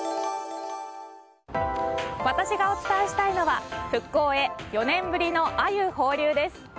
私がお伝えしたいのは復興へ４年ぶりのアユ放流です。